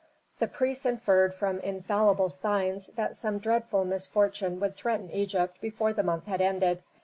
The priests inferred from infallible signs that some dreadful misfortune would threaten Egypt before the month had ended.